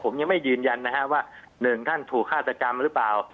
ผมยังไม่ยืนยันนะฮะว่าหนึ่งท่านถูกฆาตกรรมหรือเปล่า